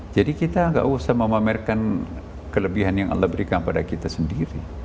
jadi kita gak usah memamerkan kelebihan yang allah berikan pada kita sendiri